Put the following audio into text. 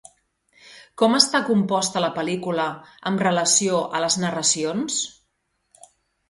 Com està composta la pel·lícula amb relació a les narracions?